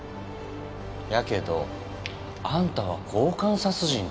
やけどあんたは強姦殺人たい。